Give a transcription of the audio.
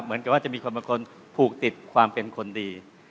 เหมือนกับว่าจะมีคนบางคนผูกติดความเป็นคนดี